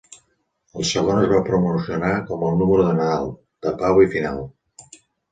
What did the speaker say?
El segon es va promocionar com el Número de Nadal, de Pau i Final.